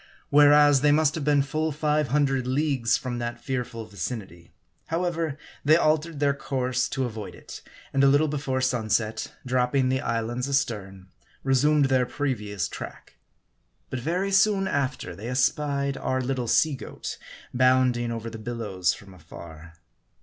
Whereas, they must have been full five hundred leagues from that fearful vicinity. However, they altered their course to avoid it ; and a little before sunset, dropping the islands astern, resumed their previous track. But very soon after, they espied our little sea goat, bounding over the bil lows from afar.